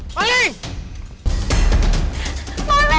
malin jangan lupa